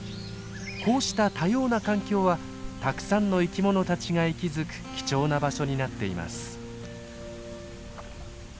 こうした多様な環境はたくさんの生き物たちが息づく貴重な場所になっています。